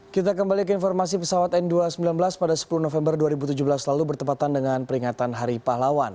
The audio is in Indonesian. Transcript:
kita kembali ke informasi pesawat n dua ratus sembilan belas pada sepuluh november dua ribu tujuh belas lalu bertepatan dengan peringatan hari pahlawan